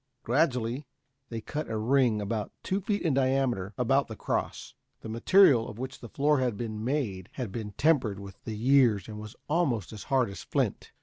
Gradually they cut a ring about two feet in diameter about the cross. The material of which the floor had been made had been tempered with the years and was almost as hard as flint.